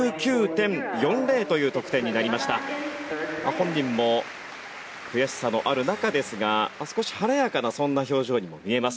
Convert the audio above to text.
本人も悔しさのある中ですが少し晴れやかなそんな表情にも見えます。